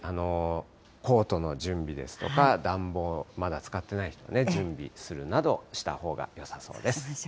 コートの準備ですとか、暖房、まだ使ってない人、準備するなどしたほうがよさそうです。